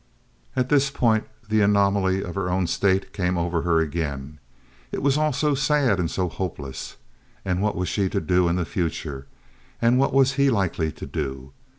At this point the anomaly of her own state came over her again. It was all so sad and so hopeless. And what was she to do in the future? And what was he likely to do?